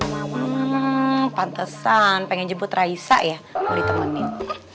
hmm pantesan pengen jebut raisa ya mau ditemenin